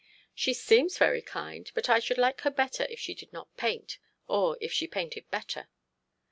'She seems very kind, but I should like her better if she did not paint or if she painted better.'